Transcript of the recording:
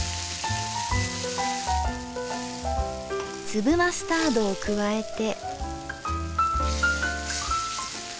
粒マスタードを加えて。